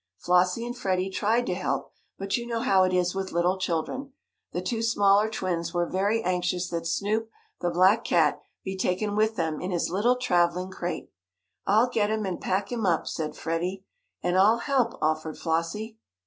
Flossie and Freddie tried to help, but you know how it is with little children. The two smaller twins were very anxious that Snoop, the black cat, be taken with them in his little traveling crate. "I'll get him and pack him up," said Freddie. "And I'll help," offered Flossie.